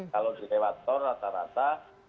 kalau di lewat tol rata rata